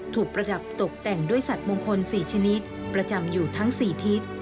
ประดับตกแต่งด้วยสัตว์มงคล๔ชนิดประจำอยู่ทั้ง๔ทิศ